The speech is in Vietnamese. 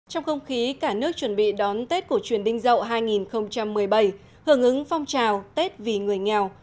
trong không khí cả nước chuẩn bị đón tết cổ truyền đinh dậu hai nghìn một mươi bảy hưởng ứng phong trào tết vì người nghèo